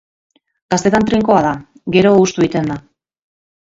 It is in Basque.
Gaztetan trinkoa da, gero hustu egiten da.